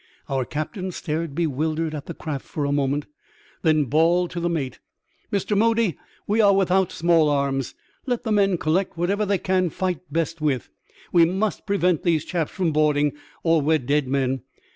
Our captain stared bewildered at the craft for a moment, then bawled to the mate :Mr. Moody, we are without small arms. Let the men collect whatever they can fight best with. We must prevent those chaps from boarding, or we're dead men.